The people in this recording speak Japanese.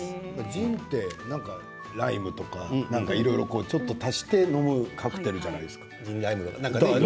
ジンってライムとか足して飲むカクテルじゃないですか。